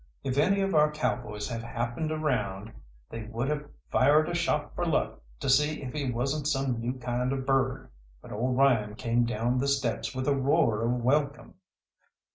If any of our cowboys had happened around, they would have fired a shot for luck to see if he wasn't some new kind of bird, but old Ryan came down the steps with a roar of welcome.